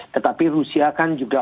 tetapi rusia kan juga